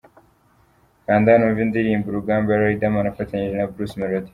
Kanda Hano wumve indirimbo 'Urugamba' ya Riderman afatanyije na Bruce Melody.